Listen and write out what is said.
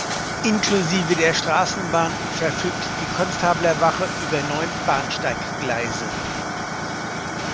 Inklusive der Straßenbahn verfügt die Konstablerwache über neun Bahnsteiggleise.